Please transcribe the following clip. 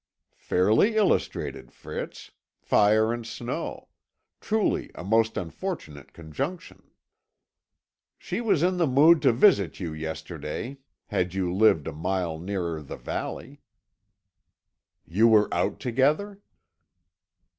"Fairly illustrated, Fritz. Fire and snow! Truly a most unfortunate conjunction." "She was in the mood to visit you yesterday had you lived a mile nearer the valley." "You were out together."